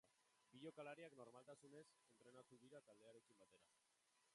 Bi jokalariak normaltasunez entrenatu dira taldearekin batera.